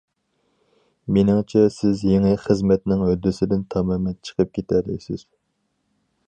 مېنىڭچە، سىز يېڭى خىزمەتنىڭ ھۆددىسىدىن تامامەن چىقىپ كېتەلەيسىز.